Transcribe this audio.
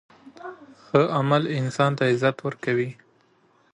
ښه عمل انسان ته عزت ورکوي.